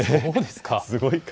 すごい数。